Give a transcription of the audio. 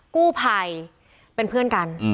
กู้ภัยเป็นเพื่อนกัน